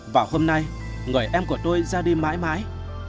và hôm nay người em của tôi ra đi mãi mãi